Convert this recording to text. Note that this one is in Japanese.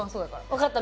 わかった。